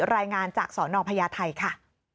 รายงานจากสหโนรพยาจิชัยค่ะ